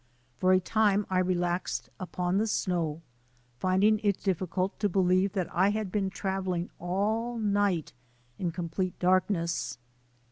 For a time I relaxed upon the snow, finding it difficult to believe that I had been travelling all night in complete darkness.